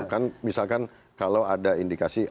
kan misalkan kalau ada indikasi